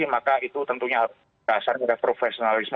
maka itu tentunya asal profesionalisme